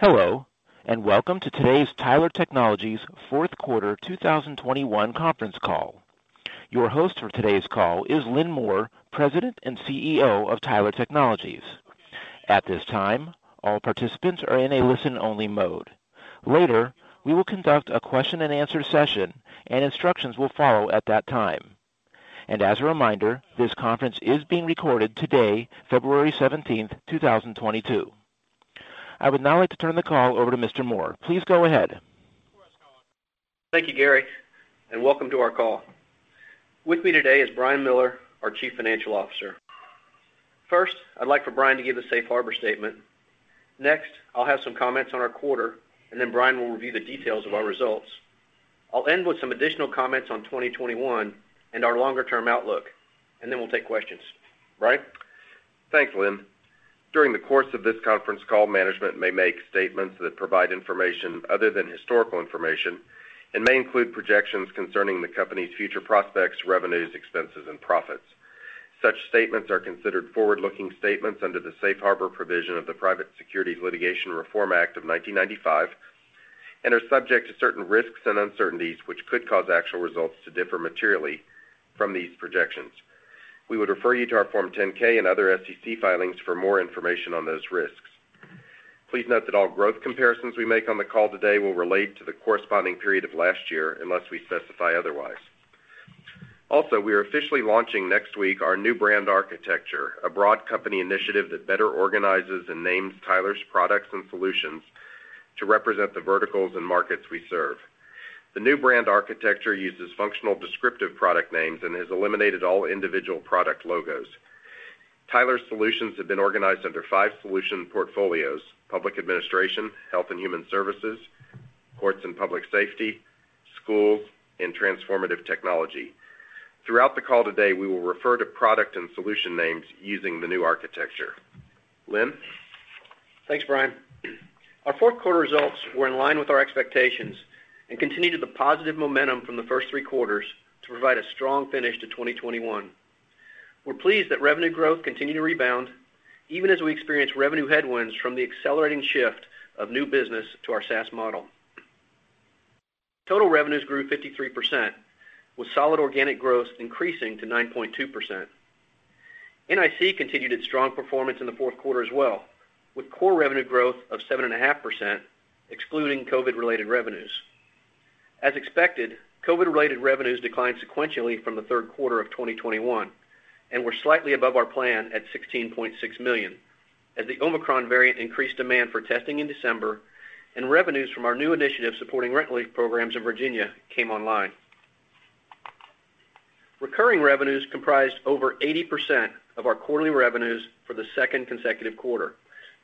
Hello, and welcome to today's Tyler Technologies fourth quarter 2021 conference call. Your host for today's call is Lynn Moore, President and CEO of Tyler Technologies. At this time, all participants are in a listen-only mode. Later, we will conduct a question-and-answer session, and instructions will follow at that time. As a reminder, this conference is being recorded today, February 17, 2022. I would now like to turn the call over to Mr. Moore. Please go ahead. Thank you, Gary, and welcome to our call. With me today is Brian Miller, our Chief Financial Officer. First, I'd like for Brian to give the safe harbor statement. Next, I'll have some comments on our quarter, and then Brian will review the details of our results. I'll end with some additional comments on 2021 and our longer-term outlook, and then we'll take questions. Brian? Thanks, Lynn. During the course of this conference call, management may make statements that provide information other than historical information and may include projections concerning the company's future prospects, revenues, expenses, and profits. Such statements are considered forward-looking statements under the safe harbor provision of the Private Securities Litigation Reform Act of 1995 and are subject to certain risks and uncertainties, which could cause actual results to differ materially from these projections. We would refer you to our Form 10-K and other SEC filings for more information on those risks. Please note that all growth comparisons we make on the call today will relate to the corresponding period of last year unless we specify otherwise. Also, we are officially launching next week our new brand architecture, a broad company initiative that better organizes and names Tyler's products and solutions to represent the verticals and markets we serve. The new brand architecture uses functional descriptive product names and has eliminated all individual product logos. Tyler's solutions have been organized under five solution portfolios. Public administration, health and human services, courts and public safety, schools, and transformative technology. Throughout the call today, we will refer to product and solution names using the new architecture. Lynn? Thanks, Brian. Our fourth quarter results were in line with our expectations and continued the positive momentum from the first three quarters to provide a strong finish to 2021. We're pleased that revenue growth continued to rebound even as we experienced revenue headwinds from the accelerating shift of new business to our SaaS model. Total revenues grew 53%, with solid organic growth increasing to 9.2%. NIC continued its strong performance in the fourth quarter as well, with core revenue growth of 7.5%, excluding COVID-related revenues. As expected, COVID-related revenues declined sequentially from the third quarter of 2021 and were slightly above our plan at $16.6 million, as the Omicron variant increased demand for testing in December and revenues from our new initiative supporting rent relief programs in Virginia came online. Recurring revenues comprised over 80% of our quarterly revenues for the second consecutive quarter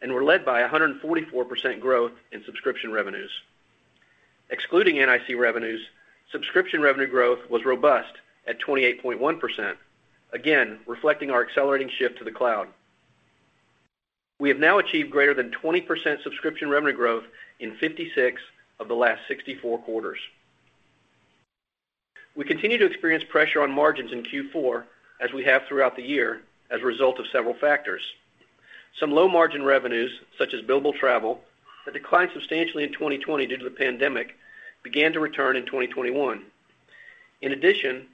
and were led by 144% growth in subscription revenues. Excluding NIC revenues, subscription revenue growth was robust at 28.1%, again, reflecting our accelerating shift to the cloud. We have now achieved greater than 20% subscription revenue growth in 56 of the last 64 quarters. We continue to experience pressure on margins in Q4, as we have throughout the year, as a result of several factors. Some low-margin revenues, such as billable travel, that declined substantially in 2020 due to the pandemic, began to return in 2021. In addition,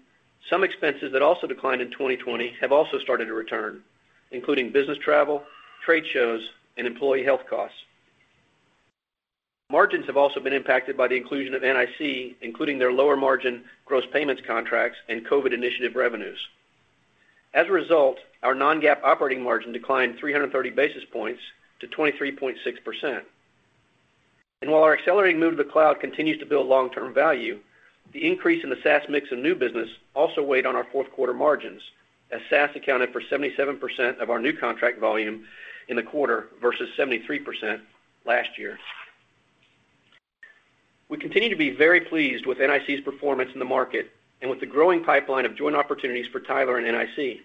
some expenses that also declined in 2020 have also started to return, including business travel, trade shows, and employee health costs. Margins have also been impacted by the inclusion of NIC, including their lower-margin gross payments contracts and COVID initiative revenues. As a result, our non-GAAP operating margin declined 330 basis points to 23.6%. While our accelerating move to the cloud continues to build long-term value, the increase in the SaaS mix of new business also weighed on our fourth quarter margins, as SaaS accounted for 77% of our new contract volume in the quarter versus 73% last year. We continue to be very pleased with NIC's performance in the market and with the growing pipeline of joint opportunities for Tyler and NIC.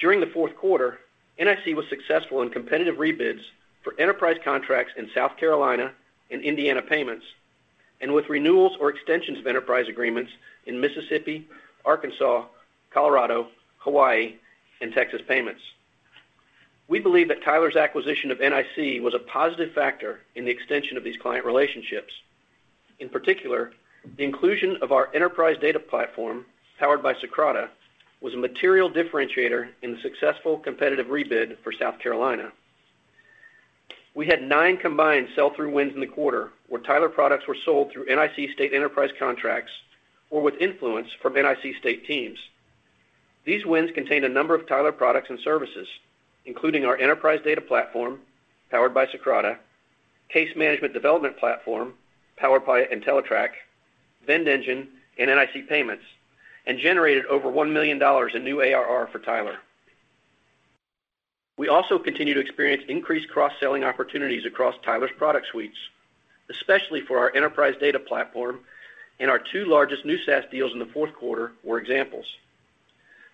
During the fourth quarter, NIC was successful in competitive rebids for enterprise contracts in South Carolina and Indiana Payments and with renewals or extensions of enterprise agreements in Mississippi, Arkansas, Colorado, Hawaii, and Texas Payments. We believe that Tyler's acquisition of NIC was a positive factor in the extension of these client relationships. In particular, the inclusion of our enterprise data platform, powered by Socrata, was a material differentiator in the successful competitive rebid for South Carolina. We had nine combined sell-through wins in the quarter, where Tyler products were sold through NIC state enterprise contracts or with influence from NIC state teams. These wins contained a number of Tyler products and services, including our enterprise data platform, powered by Socrata, case management development platform, powered by Entellitrak, VendEngine, and NIC Payments, and generated over $1 million in new ARR for Tyler. We also continue to experience increased cross-selling opportunities across Tyler's product suites, especially for our enterprise data platform, and our two largest new SaaS deals in the fourth quarter were examples.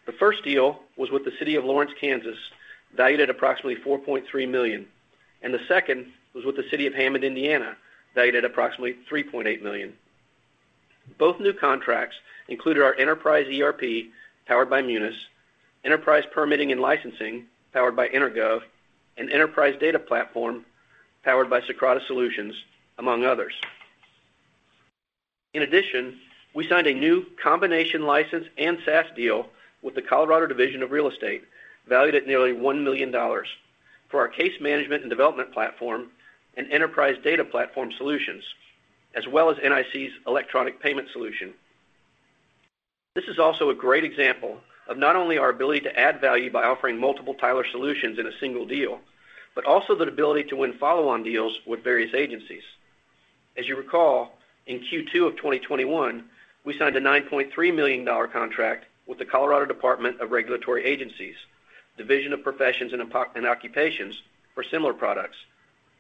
The first deal was with the city of Lawrence, Kansas, valued at approximately $4.3 million, and the second was with the city of Hammond, Indiana, valued at approximately $3.8 million. Both new contracts included our Enterprise ERP, powered by Munis, Enterprise Permitting and Licensing, powered by EnerGov, and Enterprise Data Platform, powered by Socrata, among others. In addition, we signed a new combination license and SaaS deal with the Colorado Division of Real Estate, valued at nearly $1 million for our case management and development platform and enterprise data platform solutions, as well as NIC's electronic payment solution. This is also a great example of not only our ability to add value by offering multiple Tyler solutions in a single deal, but also the ability to win follow-on deals with various agencies. As you recall, in Q2 of 2021, we signed a $9.3 million contract with the Colorado Department of Regulatory Agencies, Division of Professions and Occupations for similar products,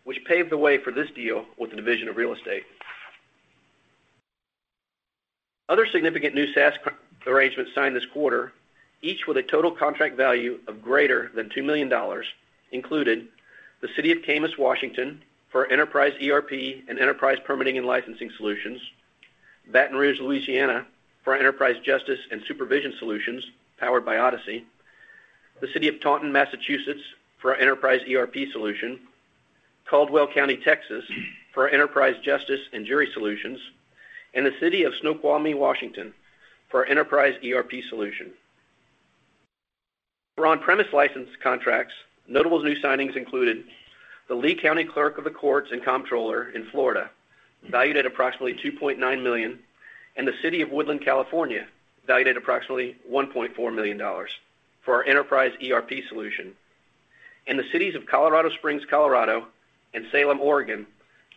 which paved the way for this deal with the Division of Real Estate. Other significant new SaaS contract arrangements signed this quarter, each with a total contract value of greater than $2 million included the City of Camas, Washington, for Enterprise ERP and Enterprise Permitting and Licensing solutions, Baton Rouge, Louisiana, for Enterprise Justice and Supervision solutions powered by Odyssey, the City of Taunton, Massachusetts, for our Enterprise ERP solution, Caldwell County, Texas, for our Enterprise Justice and Jury solutions, and the City of Snoqualmie, Washington, for our Enterprise ERP solution. For on-premise license contracts, notable new signings included the Lee County Clerk of the Circuit Court & Comptroller in Florida, valued at approximately $2.9 million, and the City of Woodland, California, valued at approximately $1.4 million for our Enterprise ERP solution. In the cities of Colorado Springs, Colorado, and Salem, Oregon,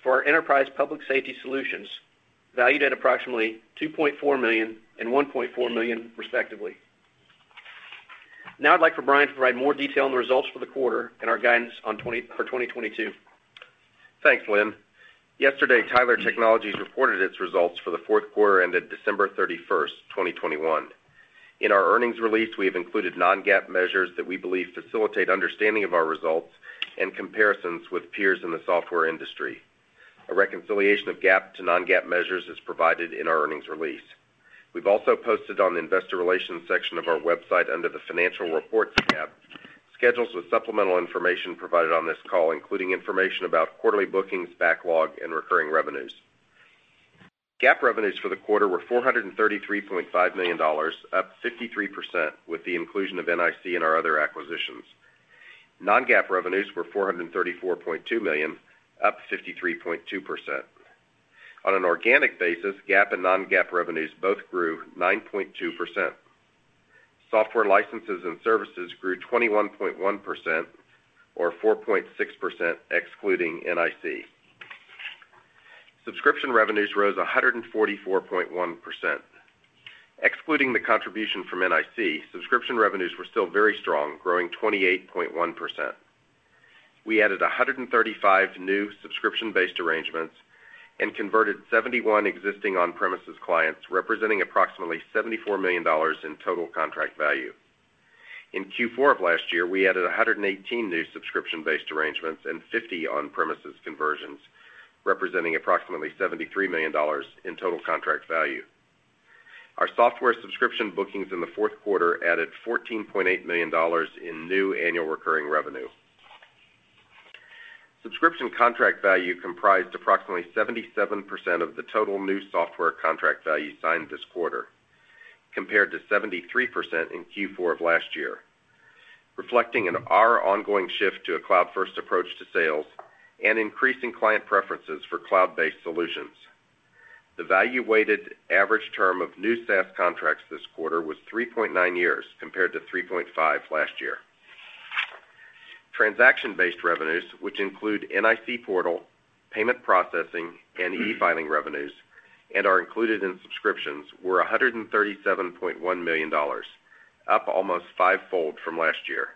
for our Enterprise Public Safety solutions, valued at approximately $2.4 million and $1.4 million, respectively. Now I'd like for Brian to provide more detail on the results for the quarter and our guidance for 2022. Thanks, Lynn. Yesterday, Tyler Technologies reported its results for the fourth quarter ended December 31, 2021. In our earnings release, we have included non-GAAP measures that we believe facilitate understanding of our results and comparisons with peers in the software industry. A reconciliation of GAAP to non-GAAP measures is provided in our earnings release. We've also posted on the investor relations section of our website under the Financial Reports tab, schedules with supplemental information provided on this call, including information about quarterly bookings, backlog, and recurring revenues. GAAP revenues for the quarter were $433.5 million, up 53% with the inclusion of NIC and our other acquisitions. Non-GAAP revenues were $434.2 million, up 53.2%. On an organic basis, GAAP and non-GAAP revenues both grew 9.2%. Software licenses and services grew 21.1% or 4.6% excluding NIC. Subscription revenues rose 144.1%. Excluding the contribution from NIC, subscription revenues were still very strong, growing 28.1%. We added 135 new subscription-based arrangements and converted 71 existing on-premises clients, representing approximately $74 million in total contract value. In Q4 of last year, we added 118 new subscription-based arrangements and 50 on-premises conversions, representing approximately $73 million in total contract value. Our software subscription bookings in the fourth quarter added $14.8 million in new annual recurring revenue. Subscription contract value comprised approximately 77% of the total new software contract value signed this quarter, compared to 73% in Q4 of last year, reflecting in our ongoing shift to a cloud-first approach to sales and increasing client preferences for cloud-based solutions. The value weighted average term of new SaaS contracts this quarter was 3.9 years, compared to 3.5 last year. Transaction-based revenues, which include NIC portal, payment processing, and e-filing revenues, and are included in subscriptions, were $137.1 million, up almost five-fold from last year.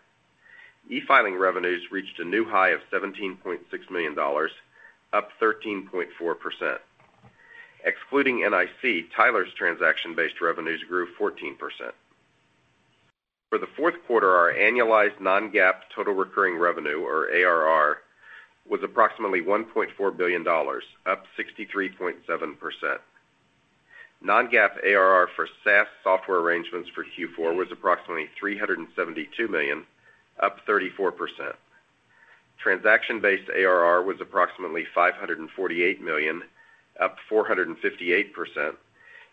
E-filing revenues reached a new high of $17.6 million, up 13.4%. Excluding NIC, Tyler's transaction-based revenues grew 14%. For the fourth quarter, our annualized non-GAAP total recurring revenue or ARR was approximately $1.4 billion, up 63.7%. Non-GAAP ARR for SaaS software arrangements for Q4 was approximately $372 million, up 34%. Transaction-based ARR was approximately $548 million, up 458%,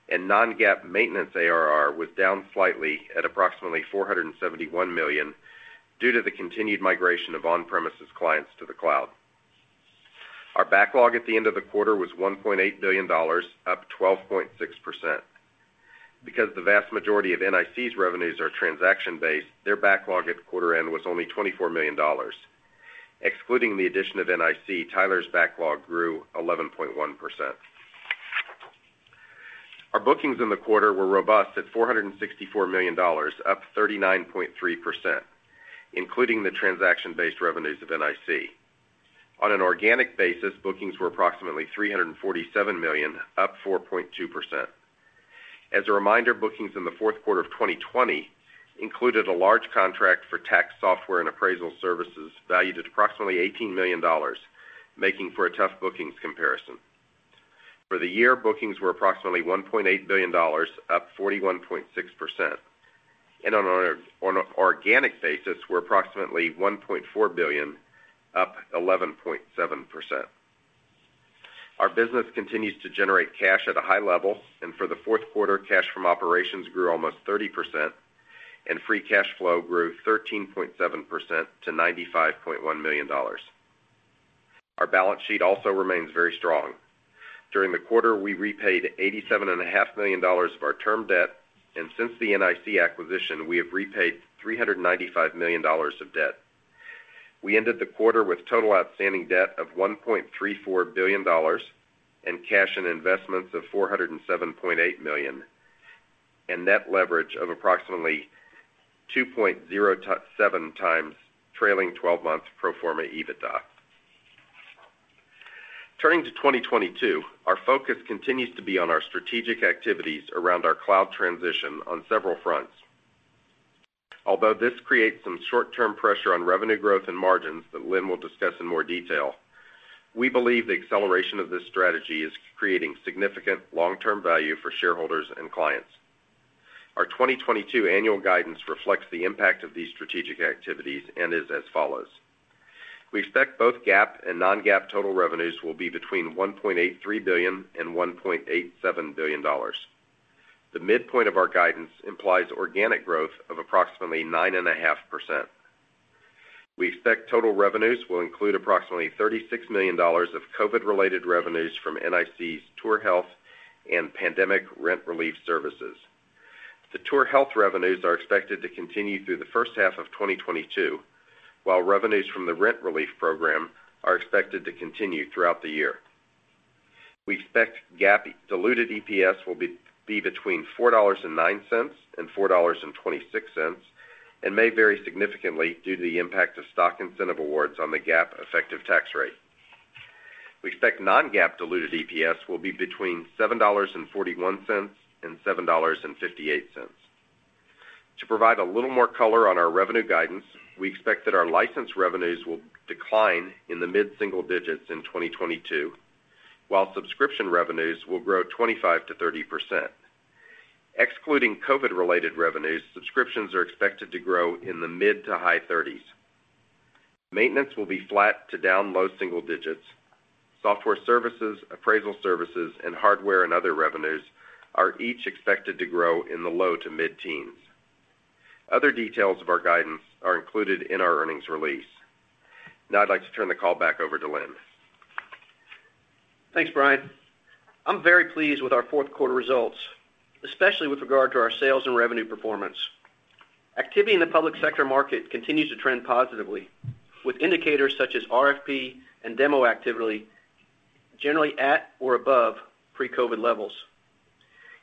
and non-GAAP maintenance ARR was down slightly at approximately $471 million due to the continued migration of on-premises clients to the cloud. Our backlog at the end of the quarter was $1.8 billion, up 12.6%. Because the vast majority of NIC's revenues are transaction-based, their backlog at quarter end was only $24 million. Excluding the addition of NIC, Tyler's backlog grew 11.1%. Our bookings in the quarter were robust at $464 million, up 39.3%, including the transaction-based revenues of NIC. On an organic basis, bookings were approximately $347 million, up 4.2%. As a reminder, bookings in the fourth quarter of 2020 included a large contract for tax software and appraisal services valued at approximately $18 million, making for a tough bookings comparison. For the year, bookings were approximately $1.8 billion, up 41.6%. On an organic basis, were approximately $1.4 billion, up 11.7%. Our business continues to generate cash at a high level, and for the fourth quarter, cash from operations grew almost 30%, and free cash flow grew 13.7% to $95.1 million. Our balance sheet also remains very strong. During the quarter, we repaid $87.5 million of our term debt, and since the NIC acquisition, we have repaid $395 million of debt. We ended the quarter with total outstanding debt of $1.34 billion and cash and investments of $407.8 million, and net leverage of approximately 2.07 times trailing twelve months pro forma EBITDA. Turning to 2022, our focus continues to be on our strategic activities around our cloud transition on several fronts. Although this creates some short-term pressure on revenue growth and margins that Lynn will discuss in more detail, we believe the acceleration of this strategy is creating significant long-term value for shareholders and clients. Our 2022 annual guidance reflects the impact of these strategic activities and is as follows. We expect both GAAP and non-GAAP total revenues will be between $1.83 billion and $1.87 billion. The midpoint of our guidance implies organic growth of approximately 9.5%. We expect total revenues will include approximately $36 million of COVID-related revenues from NIC's TourHealth and Pandemic Rent Relief services. The TourHealth revenues are expected to continue through the first half of 2022, while revenues from the rent relief program are expected to continue throughout the year. We expect GAAP diluted EPS will be between $4.09 and $4.26, and may vary significantly due to the impact of stock incentive awards on the GAAP effective tax rate. We expect non-GAAP diluted EPS will be between $7.41 and $7.58. To provide a little more color on our revenue guidance, we expect that our license revenues will decline in the mid-single digits in 2022, while subscription revenues will grow 25%-30%. Excluding COVID-related revenues, subscriptions are expected to grow in the mid- to high-30s%. Maintenance will be flat to down low-single digits. Software services, appraisal services, and hardware and other revenues are each expected to grow in the low- to mid-teens. Other details of our guidance are included in our earnings release. Now, I'd like to turn the call back over to Lynn. Thanks, Brian. I'm very pleased with our fourth quarter results, especially with regard to our sales and revenue performance. Activity in the public sector market continues to trend positively, with indicators such as RFP and demo activity generally at or above pre-COVID levels.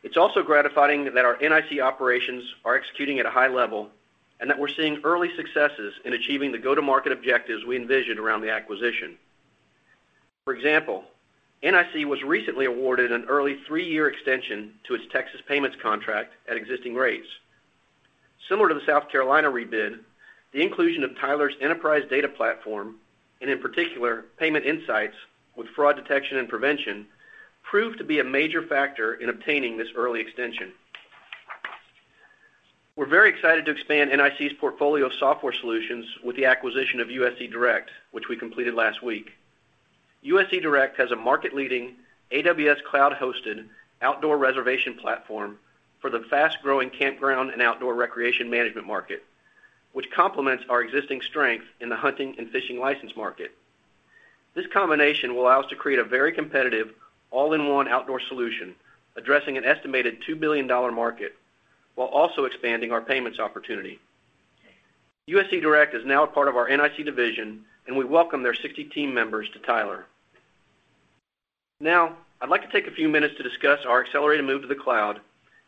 It's also gratifying that our NIC operations are executing at a high level, and that we're seeing early successes in achieving the go-to-market objectives we envisioned around the acquisition. For example, NIC was recently awarded an early three-year extension to its Texas Payments contract at existing rates. Similar to the South Carolina rebid, the inclusion of Tyler's Enterprise Data Platform, and in particular, payment insights with fraud detection and prevention, proved to be a major factor in obtaining this early extension. We're very excited to expand NIC's portfolio of software solutions with the acquisition of US eDirect, which we completed last week. US eDirect has a market-leading AWS cloud-hosted outdoor reservation platform for the fast-growing campground and outdoor recreation management market, which complements our existing strength in the hunting and fishing license market. This combination will allow us to create a very competitive all-in-one outdoor solution, addressing an estimated $2 billion market, while also expanding our payments opportunity. US eDirect is now a part of our NIC division, and we welcome their 60 team members to Tyler. Now, I'd like to take a few minutes to discuss our accelerated move to the cloud,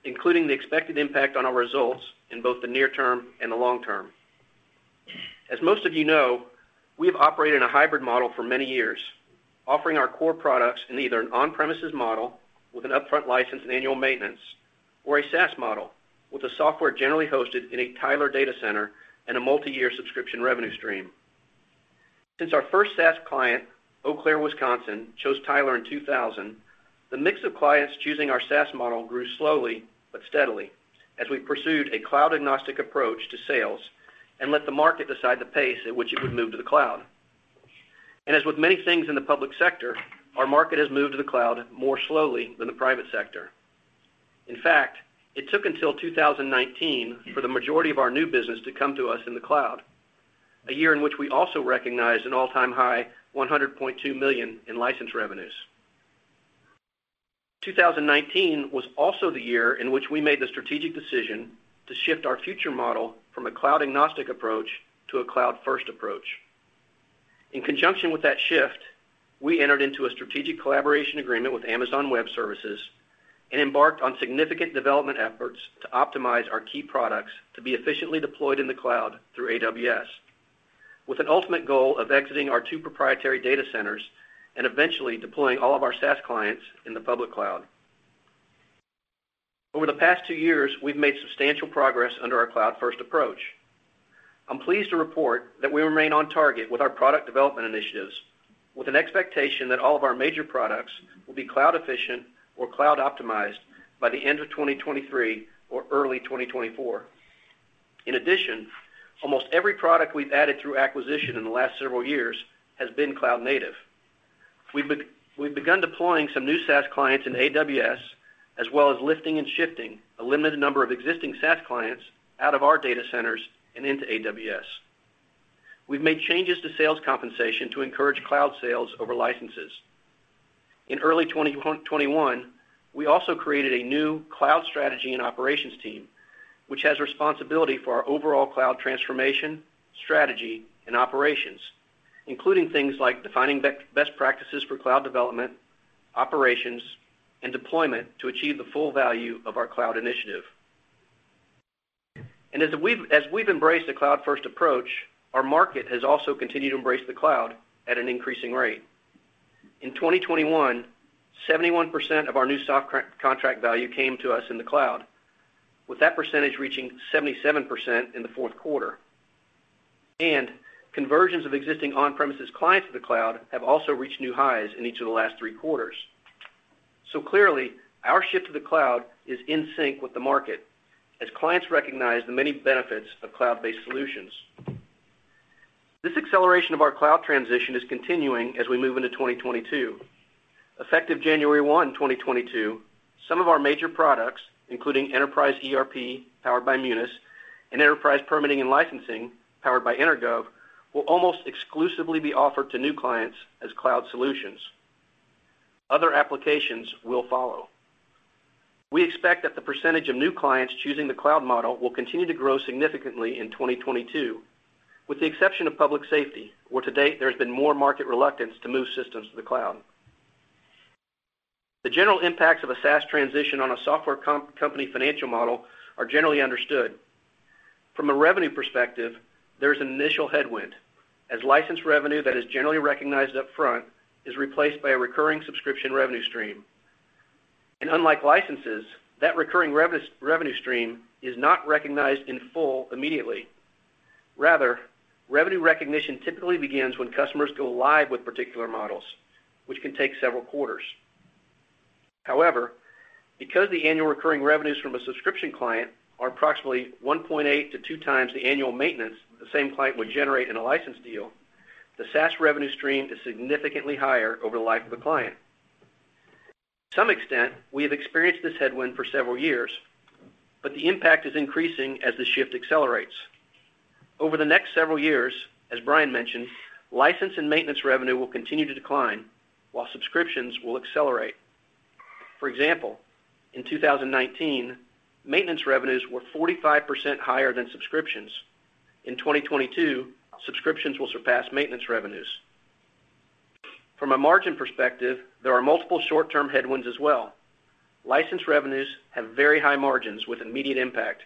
including the expected impact on our results in both the near term and the long term. As most of you know, we have operated in a hybrid model for many years, offering our core products in either an on-premises model with an upfront license and annual maintenance or a SaaS model with the software generally hosted in a Tyler data center and a multiyear subscription revenue stream. Since our first SaaS client, Eau Claire, Wisconsin, chose Tyler in 2000, the mix of clients choosing our SaaS model grew slowly but steadily as we pursued a cloud-agnostic approach to sales and let the market decide the pace at which it would move to the cloud. As with many things in the public sector, our market has moved to the cloud more slowly than the private sector. In fact, it took until 2019 for the majority of our new business to come to us in the cloud, a year in which we also recognized an all-time high $100.2 million in license revenues. 2019 was also the year in which we made the strategic decision to shift our future model from a cloud-agnostic approach to a cloud-first approach. In conjunction with that shift, we entered into a strategic collaboration agreement with Amazon Web Services and embarked on significant development efforts to optimize our key products to be efficiently deployed in the cloud through AWS with an ultimate goal of exiting our two proprietary data centers and eventually deploying all of our SaaS clients in the public cloud. Over the past two years, we've made substantial progress under our cloud-first approach. I'm pleased to report that we remain on target with our product development initiatives, with an expectation that all of our major products will be cloud efficient or cloud optimized by the end of 2023 or early 2024. In addition, almost every product we've added through acquisition in the last several years has been cloud native. We've begun deploying some new SaaS clients in AWS, as well as lifting and shifting a limited number of existing SaaS clients out of our data centers and into AWS. We've made changes to sales compensation to encourage cloud sales over licenses. In early 2021, we also created a new cloud strategy and operations team, which has responsibility for our overall cloud transformation, strategy, and operations, including things like defining best practices for cloud development, operations, and deployment to achieve the full value of our cloud initiative. We've embraced the cloud-first approach, our market has also continued to embrace the cloud at an increasing rate. In 2021, 71% of our new software contract value came to us in the cloud, with that percentage reaching 77% in the fourth quarter. Conversions of existing on-premises clients to the cloud have also reached new highs in each of the last three quarters. Clearly, our shift to the cloud is in sync with the market as clients recognize the many benefits of cloud-based solutions. This acceleration of our cloud transition is continuing as we move into 2022. Effective January 1, 2022, some of our major products, including Enterprise ERP, powered by Munis, and Enterprise Permitting and Licensing, powered by EnerGov, will almost exclusively be offered to new clients as cloud solutions. Other applications will follow. We expect that the percentage of new clients choosing the cloud model will continue to grow significantly in 2022, with the exception of public safety, where to date there has been more market reluctance to move systems to the cloud. The general impacts of a SaaS transition on a software company financial model are generally understood. From a revenue perspective, there's an initial headwind, as license revenue that is generally recognized up front is replaced by a recurring subscription revenue stream. Unlike licenses, that recurring revenue stream is not recognized in full immediately. Rather, revenue recognition typically begins when customers go live with particular models, which can take several quarters. However, because the annual recurring revenues from a subscription client are approximately 1.8 to two times the annual maintenance the same client would generate in a license deal, the SaaS revenue stream is significantly higher over the life of a client. To some extent, we have experienced this headwind for several years, but the impact is increasing as the shift accelerates. Over the next several years, as Brian mentioned, license and maintenance revenue will continue to decline while subscriptions will accelerate. For example, in 2019, maintenance revenues were 45% higher than subscriptions. In 2022, subscriptions will surpass maintenance revenues. From a margin perspective, there are multiple short-term headwinds as well. License revenues have very high margins with immediate impact,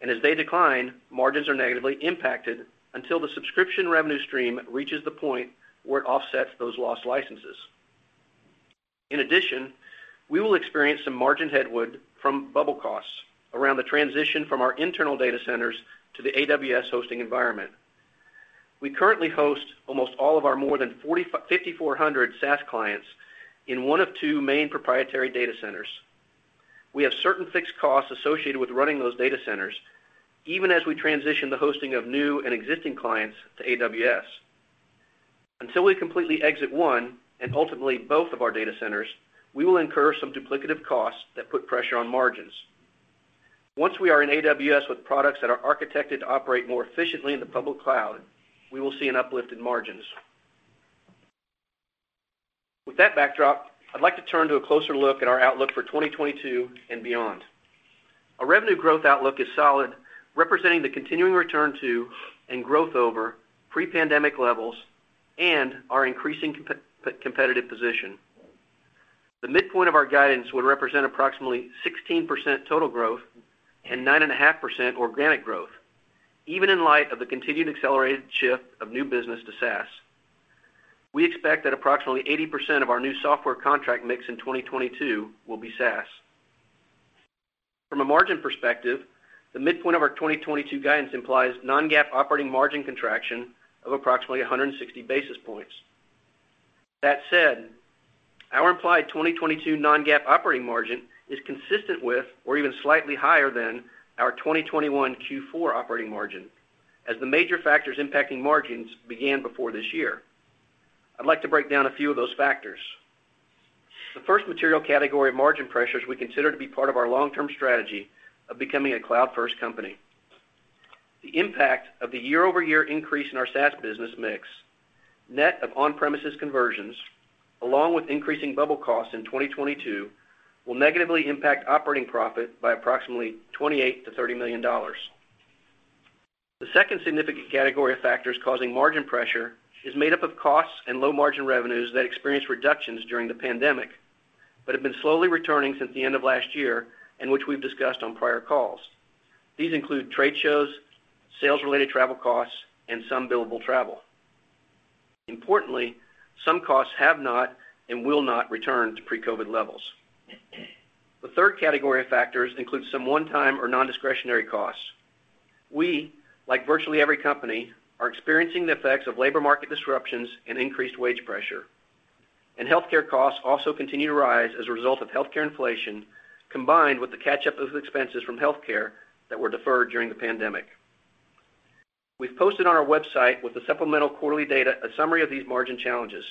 and as they decline, margins are negatively impacted until the subscription revenue stream reaches the point where it offsets those lost licenses. In addition, we will experience some margin headwind from double costs around the transition from our internal data centers to the AWS hosting environment. We currently host almost all of our more than 5,400 SaaS clients in one of two main proprietary data centers. We have certain fixed costs associated with running those data centers, even as we transition the hosting of new and existing clients to AWS. Until we completely exit one, and ultimately both of our data centers, we will incur some duplicative costs that put pressure on margins. Once we are in AWS with products that are architected to operate more efficiently in the public cloud, we will see an uplift in margins. With that backdrop, I'd like to turn to a closer look at our outlook for 2022 and beyond. Our revenue growth outlook is solid, representing the continuing return to and growth over pre-pandemic levels and our increasing competitive position. The midpoint of our guidance would represent approximately 16% total growth and 9.5% organic growth, even in light of the continued accelerated shift of new business to SaaS. We expect that approximately 80% of our new software contract mix in 2022 will be SaaS. From a margin perspective, the midpoint of our 2022 guidance implies non-GAAP operating margin contraction of approximately 160 basis points. That said, our implied 2022 non-GAAP operating margin is consistent with, or even slightly higher than, our 2021 Q4 operating margin, as the major factors impacting margins began before this year. I'd like to break down a few of those factors. The first material category of margin pressures we consider to be part of our long-term strategy of becoming a cloud-first company. The impact of the year-over-year increase in our SaaS business mix, net of on-premises conversions, along with increasing bubble costs in 2022, will negatively impact operating profit by approximately $28 million-$30 million. The second significant category of factors causing margin pressure is made up of costs and low-margin revenues that experienced reductions during the pandemic, but have been slowly returning since the end of last year, and which we've discussed on prior calls. These include trade shows, sales-related travel costs, and some billable travel. Importantly, some costs have not and will not return to pre-COVID levels. The third category of factors includes some one-time or non-discretionary costs. We, like virtually every company, are experiencing the effects of labor market disruptions and increased wage pressure. Healthcare costs also continue to rise as a result of healthcare inflation, combined with the catch-up of expenses from healthcare that were deferred during the pandemic. We've posted on our website with the supplemental quarterly data, a summary of these margin challenges.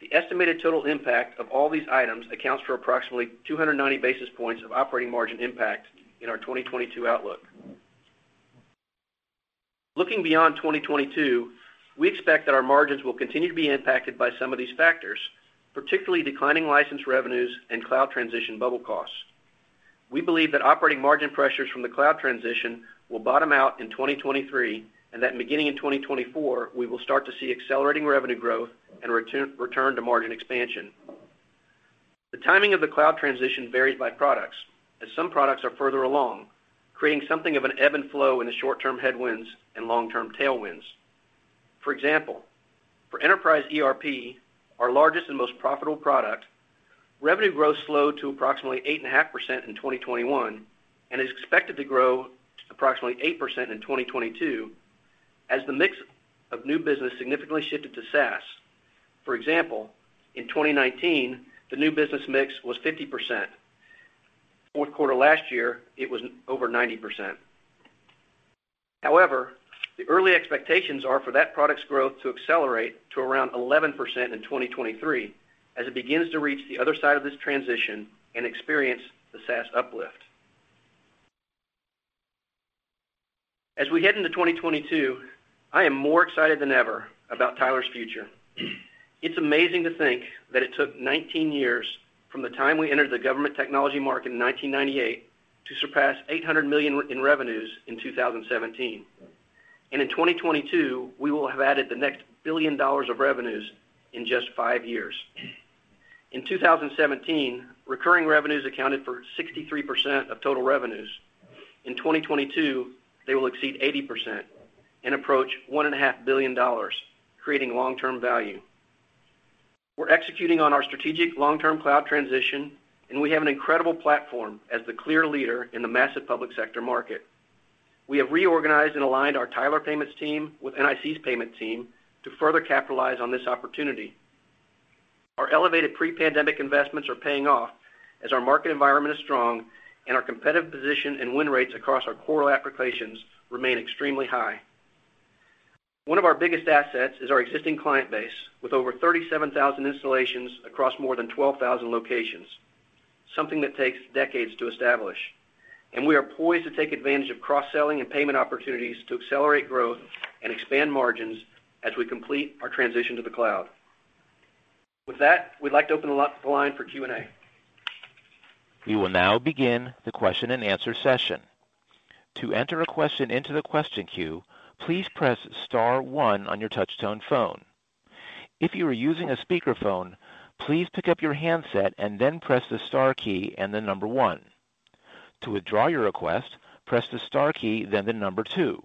The estimated total impact of all these items accounts for approximately 290 basis points of operating margin impact in our 2022 outlook. Looking beyond 2022, we expect that our margins will continue to be impacted by some of these factors, particularly declining license revenues and cloud transition bubble costs. We believe that operating margin pressures from the cloud transition will bottom out in 2023, and that beginning in 2024, we will start to see accelerating revenue growth and return to margin expansion. The timing of the cloud transition varies by products, as some products are further along, creating something of an ebb and flow in the short-term headwinds and long-term tailwinds. For example, for Enterprise ERP, our largest and most profitable product, revenue growth slowed to approximately 8.5% in 2021, and is expected to grow to approximately 8% in 2022, as the mix of new business significantly shifted to SaaS. For example, in 2019, the new business mix was 50%. Fourth quarter last year, it was over 90%. However, the early expectations are for that product's growth to accelerate to around 11% in 2023, as it begins to reach the other side of this transition and experience the SaaS uplift. As we head into 2022, I am more excited than ever about Tyler's future. It's amazing to think that it took 19 years from the time we entered the government technology market in 1998 to surpass $800 million in revenues in 2017. In 2022, we will have added the next $1 billion in revenues in just five years. In 2017, recurring revenues accounted for 63% of total revenues. In 2022, they will exceed 80% and approach $1.5 billion, creating long-term value. We're executing on our strategic long-term cloud transition, and we have an incredible platform as the clear leader in the massive public sector market. We have reorganized and aligned our Tyler Payments team with NIC's Payments team to further capitalize on this opportunity. Our elevated pre-pandemic investments are paying off as our market environment is strong and our competitive position and win rates across our core applications remain extremely high. One of our biggest assets is our existing client base, with over 37,000 installations across more than 12,000 locations, something that takes decades to establish. We are poised to take advantage of cross-selling and payment opportunities to accelerate growth and expand margins as we complete our transition to the cloud. With that, we'd like to open the line for Q&A. We will now begin the question-and-answer session. To enter a question into the question queue, please press star one on your touch-tone phone. If you are using a speakerphone, please pick up your handset and then press the star key and the number one. To withdraw your request, press the star key, then the number two.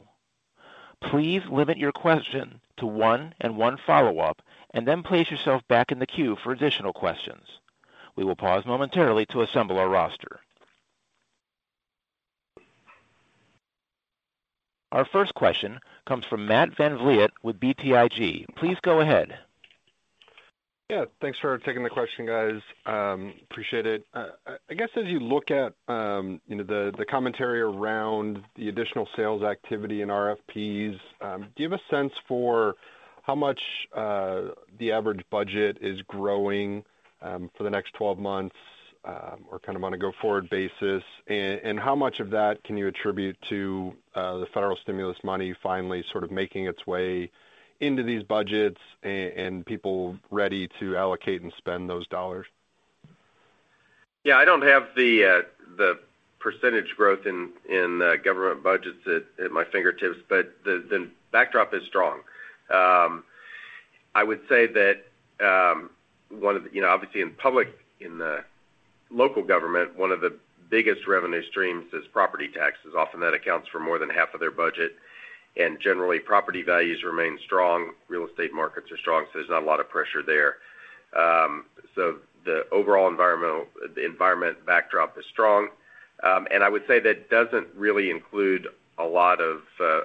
Please limit your question to one and one follow-up, and then place yourself back in the queue for additional questions. We will pause momentarily to assemble our roster. Our first question comes from Matt VanVliet with BTIG. Please go ahead. Yeah, thanks for taking the question, guys. Appreciate it. I guess as you look at, you know, the commentary around the additional sales activity in RFPs, do you have a sense for how much the average budget is growing for the next 12 months or kind of on a go-forward basis? And how much of that can you attribute to the federal stimulus money finally sort of making its way into these budgets and people ready to allocate and spend those dollars? Yeah, I don't have the percentage growth in government budgets at my fingertips, but the backdrop is strong. I would say that you know, obviously in public, in the local government, one of the biggest revenue streams is property taxes. Often that accounts for more than half of their budget, and generally, property values remain strong, real estate markets are strong, so there's not a lot of pressure there. The overall environment backdrop is strong. I would say that doesn't really include a lot of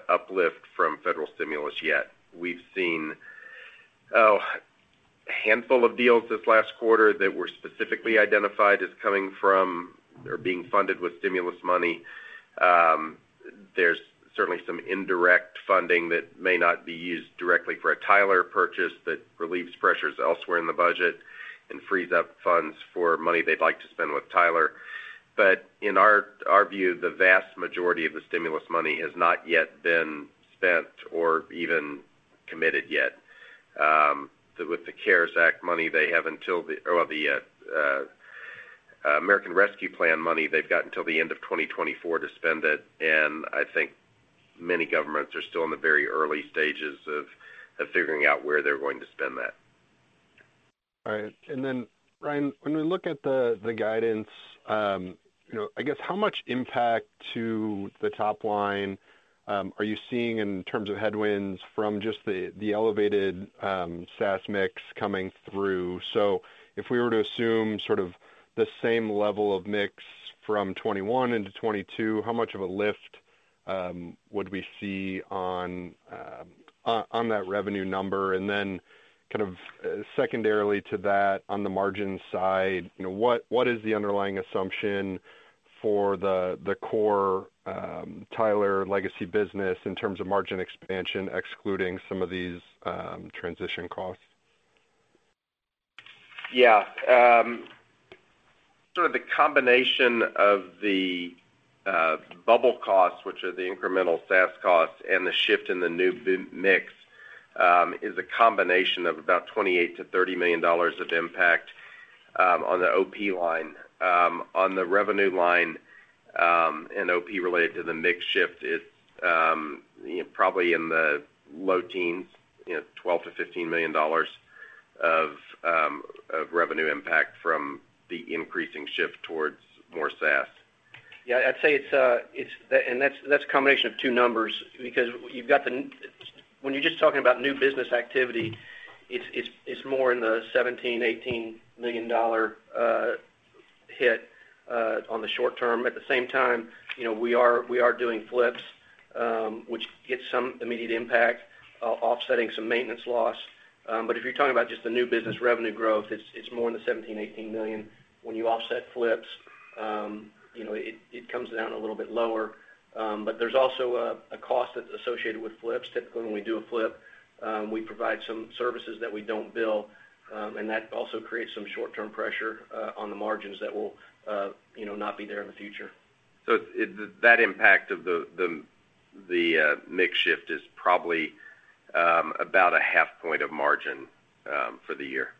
uplift from federal stimulus yet. We've seen a handful of deals this last quarter that were specifically identified as coming from or being funded with stimulus money. There's certainly some indirect funding that may not be used directly for a Tyler purchase that relieves pressures elsewhere in the budget and frees up funds for money they'd like to spend with Tyler. In our view, the vast majority of the stimulus money has not yet been spent or even committed yet. With the CARES Act money, they have until the. American Rescue Plan money, they've got until the end of 2024 to spend it, and I think many governments are still in the very early stages of figuring out where they're going to spend that. All right. Ryan, when we look at the guidance, you know, I guess how much impact to the top line are you seeing in terms of headwinds from just the elevated SaaS mix coming through? If we were to assume sort of the same level of mix from 2021 into 2022, how much of a lift would we see on that revenue number? Kind of secondarily to that, on the margin side, you know, what is the underlying assumption for the core Tyler legacy business in terms of margin expansion, excluding some of these transition costs? Yeah. Sort of the combination of the bundle costs, which are the incremental SaaS costs and the shift in the new business mix, is a combination of about $28 million-$30 million of impact on the OP line. On the revenue line and OP related to the mix shift, it's you know, probably in the low teens, you know, $12 million-$15 million of revenue impact from the increasing shift towards more SaaS. Yeah. I'd say it's. That's a combination of two numbers because when you're just talking about new business activity, it's more in the $17 million-$18 million hit on the short term. At the same time, you know, we are doing flips, which gets some immediate impact offsetting some maintenance loss. If you're talking about just the new business revenue growth, it's more in the $17 million-$18 million. When you offset flips, you know, it comes down a little bit lower. There's also a cost that's associated with flips. Typically, when we do a flip, we provide some services that we don't bill, and that also creates some short-term pressure on the margins that will, you know, not be there in the future. That impact of the mix shift is probably about a half point of margin for the year.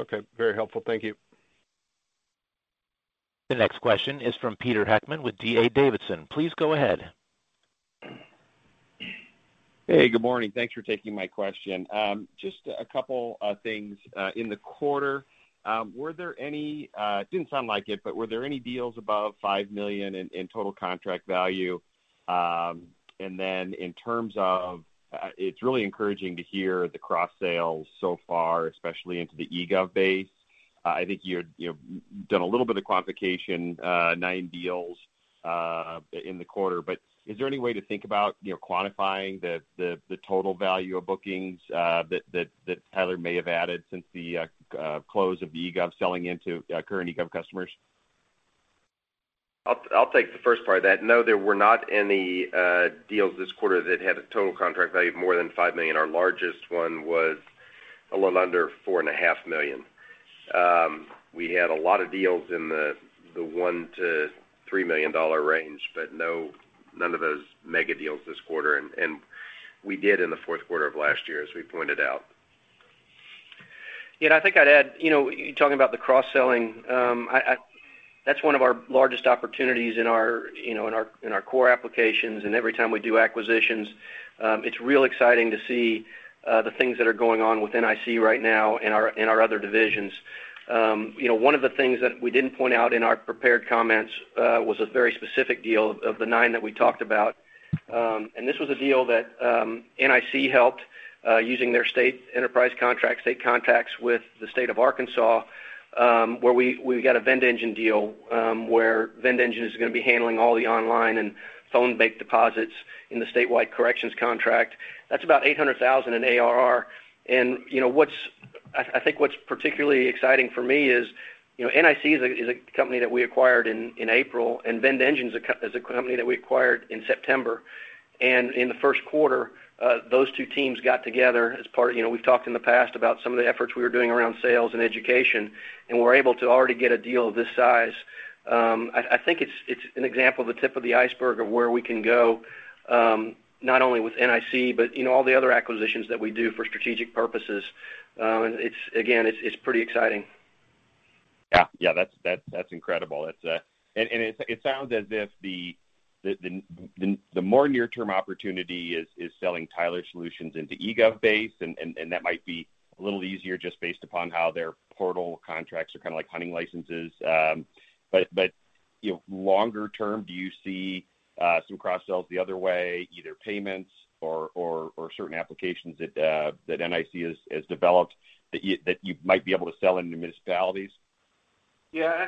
Okay. Very helpful. Thank you. The next question is from Peter Heckmann with D.A. Davidson. Please go ahead. Hey, good morning. Thanks for taking my question. Just a couple things in the quarter. Were there any? It didn't sound like it, but were there any deals above $5 million in total contract value? In terms of, it's really encouraging to hear the cross-sales so far, especially into the eGov base. I think you've done a little bit of quantification, nine deals in the quarter. Is there any way to think about, you know, quantifying the total value of bookings that Tyler may have added since the close of the eGov selling into current eGov customers? I'll take the first part of that. No, there were not any deals this quarter that had a total contract value of more than $5 million. Our largest one was a little under $4.5 million. We had a lot of deals in the one to three million dollar range, but none of those mega deals this quarter. We did in the fourth quarter of last year, as we pointed out. Yeah. I think I'd add, you know, you're talking about the cross-selling. I... That's one of our largest opportunities in our core applications. Every time we do acquisitions, it's real exciting to see the things that are going on with NIC right now and our other divisions. One of the things that we didn't point out in our prepared comments was a very specific deal of the nine that we talked about. This was a deal that NIC helped using their state enterprise contract, state contacts with the State of Arkansas, where we got a VendEngine deal, where VendEngine is gonna be handling all the online and phone-based deposits in the statewide corrections contract. That's about $800,000 in ARR. You know, I think what's particularly exciting for me is, you know, NIC is a company that we acquired in April, and VendEngine is a company that we acquired in September. In the first quarter, those two teams got together as part of the efforts we were doing around sales and education, and we're able to already get a deal of this size. I think it's an example of the tip of the iceberg of where we can go, not only with NIC, but you know, all the other acquisitions that we do for strategic purposes. It's again pretty exciting. Yeah. That's incredible. That's it sounds as if the more near-term opportunity is selling Tyler solutions into eGov base, and that might be a little easier just based upon how their portal contracts are kinda like hunting licenses. But you know, longer term, do you see some cross-sells the other way, either payments or certain applications that NIC has developed that you might be able to sell into municipalities? Yeah.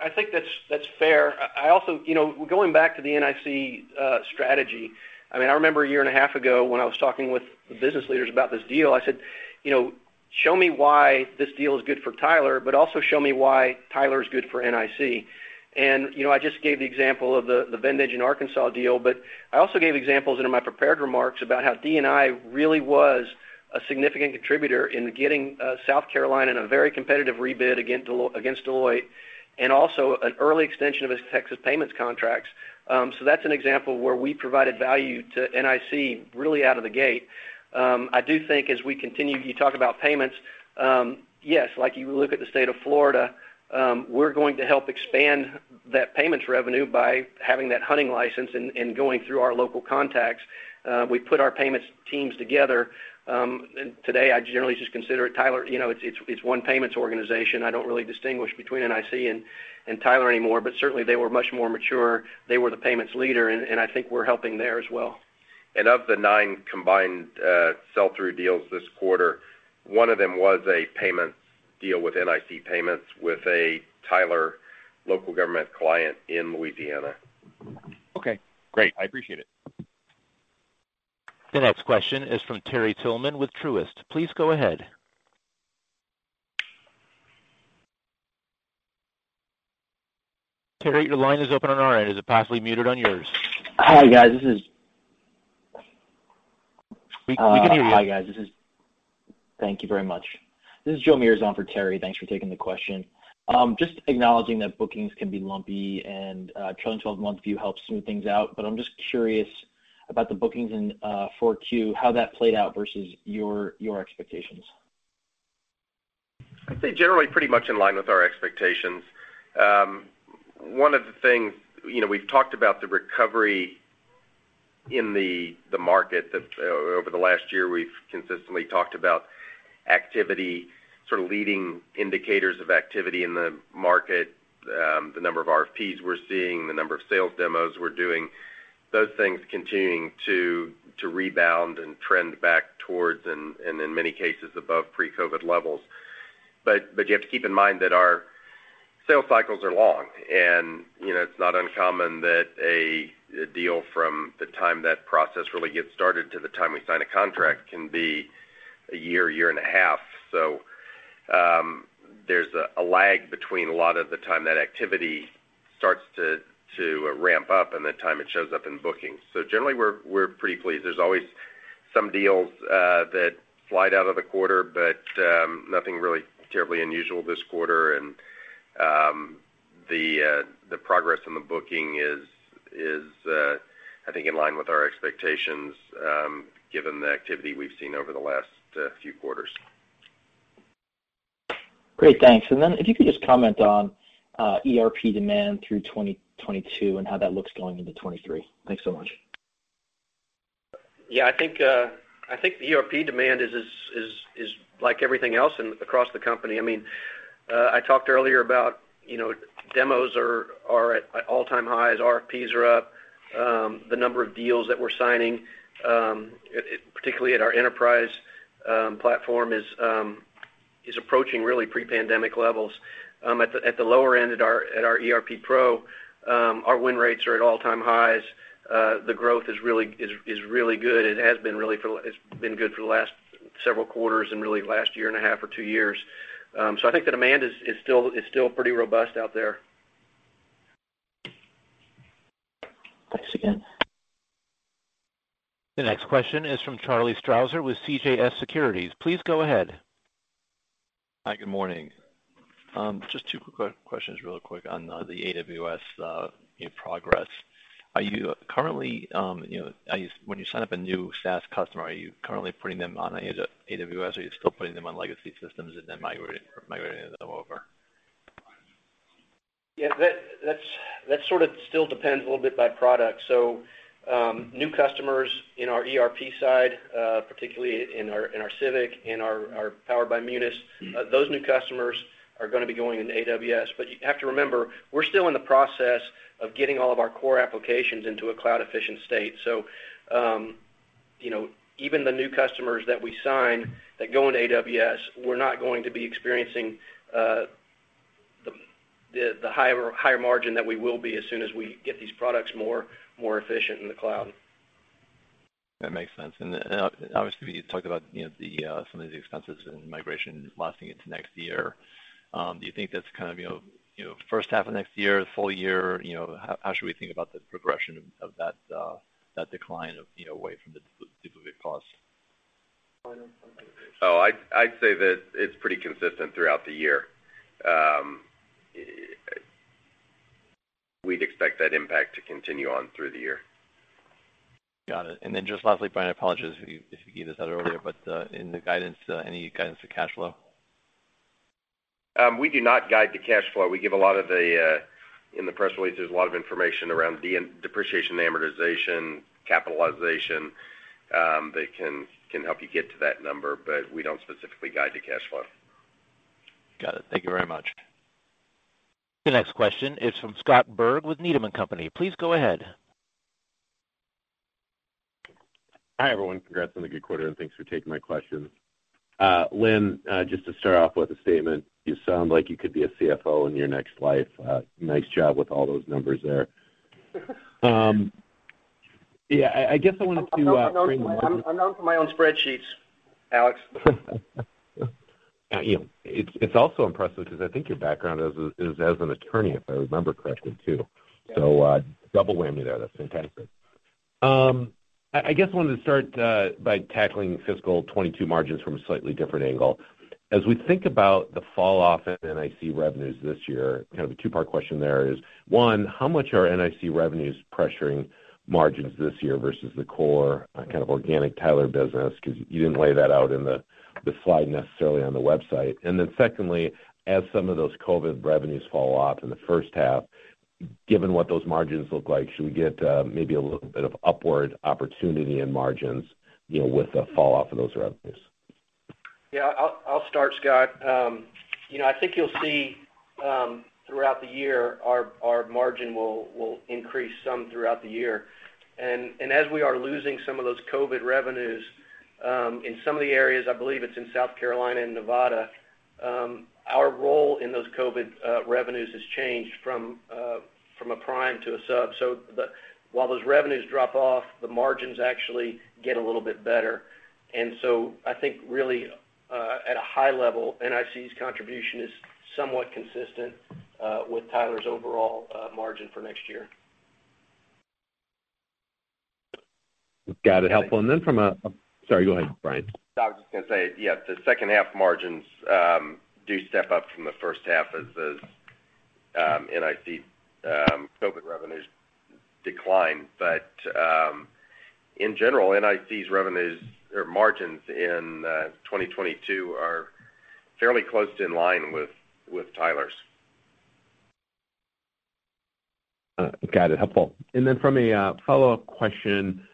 I think that's fair. I also... You know, going back to the NIC strategy, I mean, I remember a year and a half ago when I was talking with the business leaders about this deal, I said, "You know, show me why this deal is good for Tyler, but also show me why Tyler is good for NIC." You know, I just gave the example of the VendEngine Arkansas deal, but I also gave examples in my prepared remarks about how NIC really was a significant contributor in getting South Carolina in a very competitive rebid against Deloitte and also an early extension of its Texas Payments contracts. So that's an example where we provided value to NIC really out of the gate. I do think as we continue, you talk about payments, yes, like you look at the State of Florida, we're going to help expand that payments revenue by having that hunting license and going through our local contacts. We put our payments teams together. And today, I generally just consider it Tyler. You know, it's one payments organization. I don't really distinguish between NIC and Tyler anymore, but certainly they were much more mature. They were the payments leader, and I think we're helping there as well. Of the nine combined sell-through deals this quarter, one of them was a payments deal with NIC Payments, with a Tyler local government client in Louisiana. Okay, great. I appreciate it. The next question is from Terry Tillman with Truist. Please go ahead. Terry, your line is open on our end. Is it possibly muted on yours? Hi, guys. We can hear you. Hi, guys. Thank you very much. This is Joe Mierzwa for Terry. Thanks for taking the question. Just acknowledging that bookings can be lumpy and trailing twelve-month view helps smooth things out, but I'm just curious about the bookings in Q4, how that played out versus your expectations. I'd say generally pretty much in line with our expectations. One of the things, you know, we've talked about the recovery in the market that over the last year, we've consistently talked about activity, sort of leading indicators of activity in the market, the number of RFPs we're seeing, the number of sales demos we're doing, those things continuing to rebound and trend back towards and in many cases, above pre-COVID levels. You have to keep in mind that our sales cycles are long. You know, it's not uncommon that a deal from the time that process really gets started to the time we sign a contract can be a year and a half. There's a lag between a lot of the time that activity starts to ramp up and the time it shows up in bookings. Generally, we're pretty pleased. There's always some deals that slide out of the quarter, but nothing really terribly unusual this quarter. The progress in the bookings is, I think, in line with our expectations, given the activity we've seen over the last few quarters. Great. Thanks. If you could just comment on ERP demand through 2022 and how that looks going into 2023. Thanks so much. Yeah. I think the ERP demand is like everything else across the company. I mean, I talked earlier about, you know, demos are at all-time highs. RFPs are up. The number of deals that we're signing, particularly at our enterprise platform is approaching really pre-pandemic levels. At the lower end at our ERP Pro, our win rates are at all-time highs. The growth is really good, and it's been good for the last several quarters and really last year and a half or two years. So I think the demand is still pretty robust out there. Thanks again. The next question is from Charlie Strauzer with CJS Securities. Please go ahead. Hi, good morning. Just two quick questions really quick on the AWS progress. When you sign up a new SaaS customer, are you currently putting them on AWS, or are you still putting them on legacy systems and then migrating them over? Yeah. That sort of still depends a little bit by product. New customers in our ERP side, particularly in our Munis, in our powered by Munis, those new customers are gonna be going into AWS. You have to remember, we're still in the process of getting all of our core applications into a cloud-efficient state. You know, even the new customers that we sign that go into AWS, we're not going to be experiencing the higher margin that we will be as soon as we get these products more efficient in the cloud. That makes sense. Obviously, we talked about, you know, some of the expenses and migration lasting into next year. Do you think that's kind of, you know, first half of next year, full year? You know, how should we think about the progression of that decline away from the duplicate cost? Oh, I'd say that it's pretty consistent throughout the year. We'd expect that impact to continue on through the year. Got it. Just lastly, Brian, apologies if you gave this out earlier, but in the guidance, any guidance to cash flow? We do not guide to cash flow. We give a lot of the in the press release, there's a lot of information around depreciation, amortization, capitalization that can help you get to that number, but we don't specifically guide to cash flow. Got it. Thank you very much. The next question is from Scott Berg with Needham & Company. Please go ahead. Hi, everyone. Congrats on the good quarter, and thanks for taking my questions. Lynn, just to start off with a statement, you sound like you could be a CFO in your next life. Nice job with all those numbers there. Yeah, I guess I wanted to, I'm known for my own spreadsheets, Alex. You know, it's also impressive because I think your background as an attorney, if I remember correctly, too. Yeah. Double whammy there. That's fantastic. I guess I wanted to start by tackling FY 2022 margins from a slightly different angle. As we think about the fall off in NIC revenues this year, kind of a two-part question there is, one, how much are NIC revenues pressuring margins this year versus the core kind of organic Tyler business? 'Cause you didn't lay that out in the slide necessarily on the website. Then secondly, as some of those COVID revenues fall off in the first half, given what those margins look like, should we get maybe a little bit of upward opportunity in margins, you know, with the fall off of those revenues? Yeah. I'll start, Scott. You know, I think you'll see throughout the year our margin will increase some throughout the year. As we are losing some of those COVID revenues in some of the areas, I believe it's in South Carolina and Nevada, our role in those COVID revenues has changed from a prime to a sub. While those revenues drop off, the margins actually get a little bit better. I think really at a high level, NIC's contribution is somewhat consistent with Tyler's overall margin for next year. Got it. Helpful. Sorry, go ahead, Brian. No, I was just gonna say, yeah, the second half margins do step up from the first half as the NIC COVID revenues decline. In general, NIC's revenues or margins in 2022 are fairly close to in line with Tyler's. Got it. Helpful. Then from a follow-up question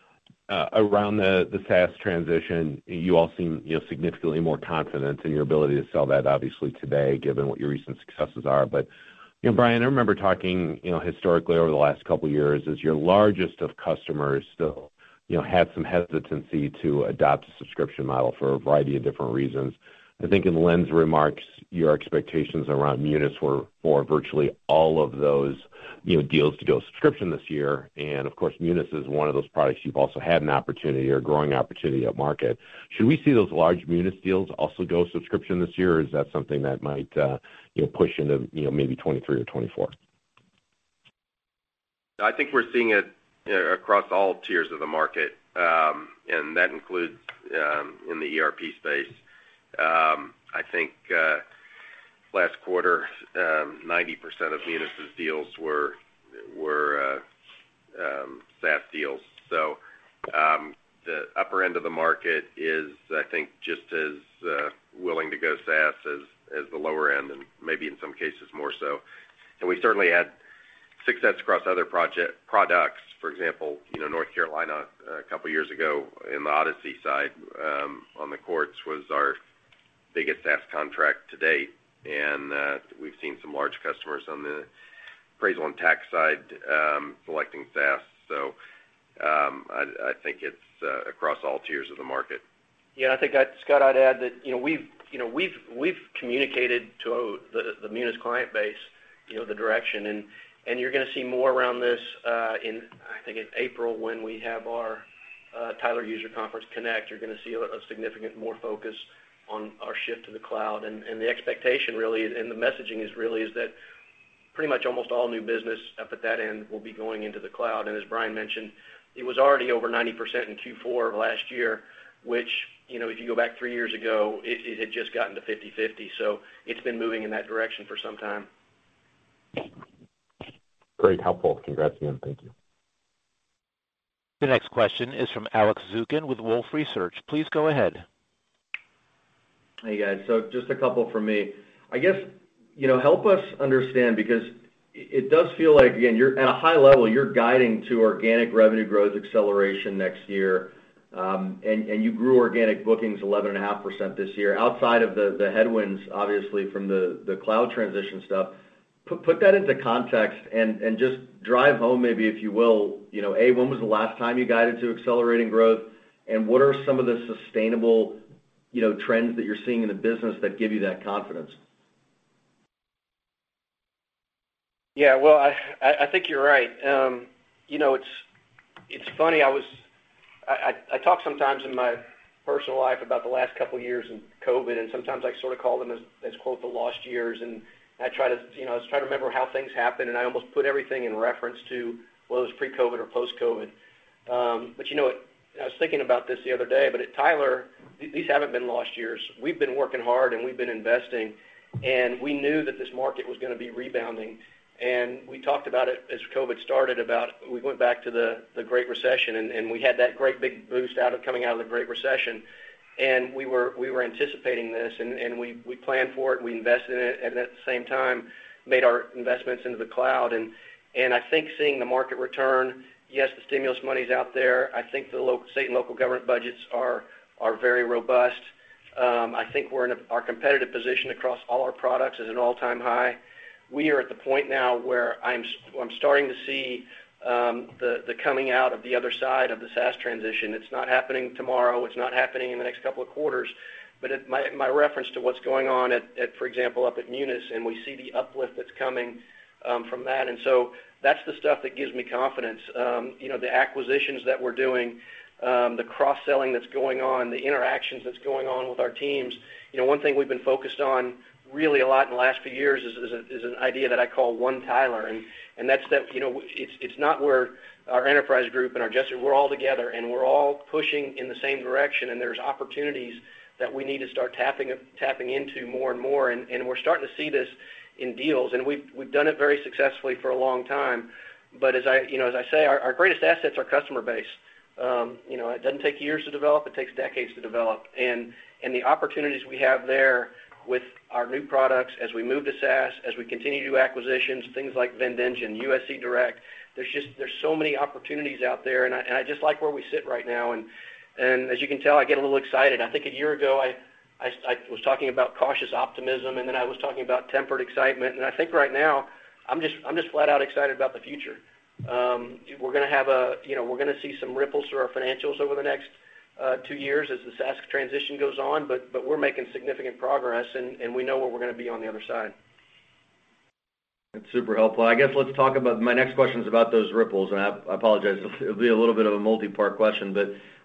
around the SaaS transition, you all seem, you know, significantly more confident in your ability to sell that obviously today given what your recent successes are. You know, Brian, I remember talking, you know, historically over the last couple years as your largest of customers still, you know, had some hesitancy to adopt a subscription model for a variety of different reasons. I think in Lynn's remarks, your expectations around Munis were for virtually all of those, you know, deals to go subscription this year. Of course, Munis is one of those products you've also had an opportunity or growing opportunity at market. Should we see those large Munis deals also go subscription this year, or is that something that might, you know, push into, you know, maybe 2023 or 2024? I think we're seeing it, you know, across all tiers of the market, and that includes in the ERP space. I think last quarter 90% of Munis' deals were SaaS deals. The upper end of the market is, I think, just as willing to go SaaS as the lower end, and maybe in some cases more so. We certainly had success across other products. For example, you know, North Carolina a couple years ago, in the Odyssey side on the courts, was our biggest SaaS contract to date. We've seen some large customers on the appraisal and tax side selecting SaaS. I think it's across all tiers of the market. Yeah, I think I'd add that, Scott. You know, we've communicated to the Munis client base, you know, the direction. You're gonna see more around this, I think in April when we have our Tyler Connect user conference. You're gonna see a significant more focus on our shift to the cloud. The expectation really, and the messaging is really that pretty much almost all new business up at that end will be going into the cloud. As Brian mentioned, it was already over 90% in Q4 of last year, which, you know, if you go back three years ago, it had just gotten to 50/50. So it's been moving in that direction for some time. Great. Helpful. Congrats again. Thank you. The next question is from Alex Zukin with Wolfe Research. Please go ahead. Hey, guys. Just a couple from me. I guess, you know, help us understand because it does feel like, again, you're at a high level, you're guiding to organic revenue growth acceleration next year, and you grew organic bookings 11.5% this year. Outside of the headwinds, obviously, from the cloud transition stuff, put that into context and just drive home maybe, if you will, you know, A, when was the last time you guided to accelerating growth, and what are some of the sustainable, you know, trends that you're seeing in the business that give you that confidence? Yeah. Well, I think you're right. You know, it's funny. I talk sometimes in my personal life about the last couple years in COVID, and sometimes I sort of call them as quote, "The lost years." I try to, you know, remember how things happened, and I almost put everything in reference to whether it's pre-COVID or post-COVID. But you know what? I was thinking about this the other day, but at Tyler, these haven't been lost years. We've been working hard, and we've been investing, and we knew that this market was gonna be rebounding. We talked about it as COVID started about we went back to the Great Recession, and we had that great big boost out of coming out of the Great Recession. We were anticipating this, and we planned for it, we invested in it, and at the same time, made our investments into the cloud. I think, seeing the market return, yes, the stimulus money's out there. I think the state and local government budgets are very robust. I think our competitive position across all our products is an all-time high. We are at the point now where I'm starting to see the coming out of the other side of the SaaS transition. It's not happening tomorrow. It's not happening in the next couple of quarters. My reference to what's going on at, for example, up at Munis, and we see the uplift that's coming from that. That's the stuff that gives me confidence. You know, the acquisitions that we're doing, the cross-selling that's going on, the interactions that's going on with our teams. You know, one thing we've been focused on really a lot in the last few years is an idea that I call One Tyler. That's that, you know, it's not just our Enterprise group and our Justice, we're all together, and we're all pushing in the same direction, and there's opportunities that we need to start tapping into more and more, and we're starting to see this in deals. We've done it very successfully for a long time. As I say, our greatest asset is our customer base. You know, it doesn't take years to develop, it takes decades to develop. The opportunities we have there with our new products as we move to SaaS, as we continue to do acquisitions, things like VendEngine, US eDirect, there's so many opportunities out there, and I just like where we sit right now. As you can tell, I get a little excited. I think a year ago, I was talking about cautious optimism, and then I was talking about tempered excitement. I think right now, I'm just flat out excited about the future. You know, we're gonna see some ripples through our financials over the next two years as the SaaS transition goes on, but we're making significant progress and we know where we're gonna be on the other side. That's super helpful. I guess let's talk about my next question's about those ripples, and I apologize. It'll be a little bit of a multipart question.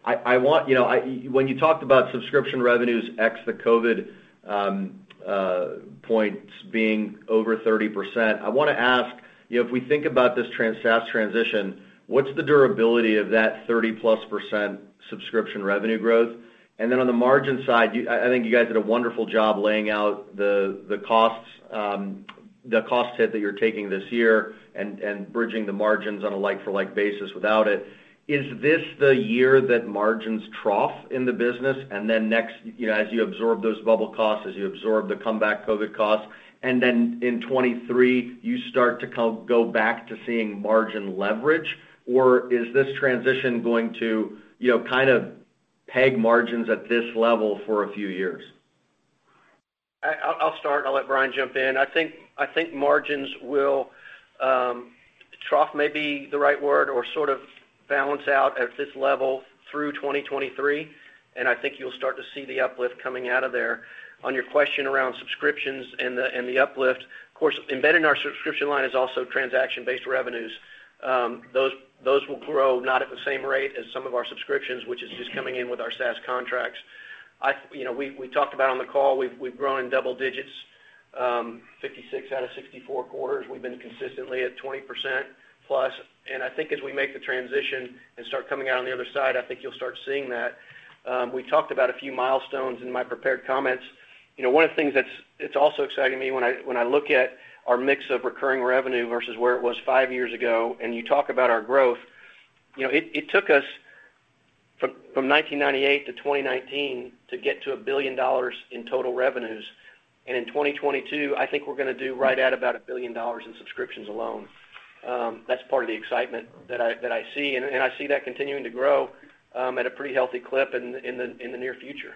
I want you know, when you talked about subscription revenues ex the COVID points being over 30%, I wanna ask, you know, if we think about this SaaS transition, what's the durability of that 30%+ subscription revenue growth? And then on the margin side, I think you guys did a wonderful job laying out the costs, the cost hit that you're taking this year and bridging the margins on a like-for-like basis without it. Is this the year that margins trough in the business and then next year. You know, as you absorb those bubble costs, as you absorb the comeback COVID costs, and then in 2023, you start to go back to seeing margin leverage? Or is this transition going to, you know, kind of peg margins at this level for a few years? I'll start, and I'll let Brian jump in. I think margins will trough, may be the right word or sort of balance out at this level through 2023, and I think you'll start to see the uplift coming out of there. On your question around subscriptions and the uplift, of course, embedded in our subscription line is also transaction-based revenues. Those will grow not at the same rate as some of our subscriptions, which is just coming in with our SaaS contracts. You know, we talked about on the call, we've grown in double digits, 56 out of 64 quarters. We've been consistently at 20%+. I think as we make the transition and start coming out on the other side, I think you'll start seeing that. We talked about a few milestones in my prepared comments. You know, one of the things that's also exciting me when I look at our mix of recurring revenue versus where it was five years ago, and you talk about our growth, you know, it took us from 1998 to 2019 to get to $1 billion in total revenues. In 2022, I think we're gonna do right at about $1 billion in subscriptions alone. That's part of the excitement that I see. I see that continuing to grow at a pretty healthy clip in the near future.